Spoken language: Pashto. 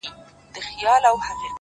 ستا د سونډو په ساغر کي را ايسار دی”